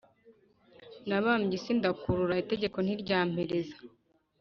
nabambye isi ndakurura itegeko ntiryampereza